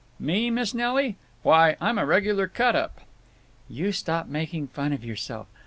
"Me, Miss Nelly? Why, I'm a regular cut up." "You stop making fun of yourself!